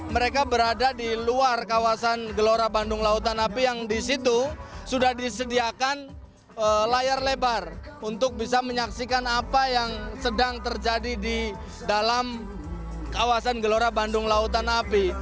mereka berada di luar kawasan gelora bandung lautan api yang di situ sudah disediakan layar lebar untuk bisa menyaksikan apa yang sedang terjadi di dalam kawasan gelora bandung lautan api